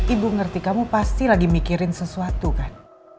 ibu ngerti kamu pasti lagi mikirin sesuatu kan